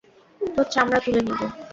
তোর চামড়া তুলে নিব।